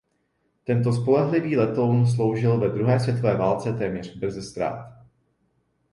Tento spolehlivý letoun sloužil ve druhé světové válce téměř beze ztrát.